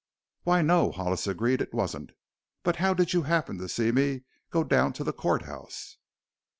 "Why, no," Hollis agreed, "it wasn't. But how did you happen to see me go down to the court house?"